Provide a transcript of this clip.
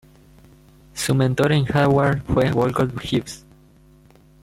Su mentor en Harvard fue Wolcott Gibbs.